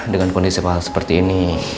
dengan kondisi pak al seperti ini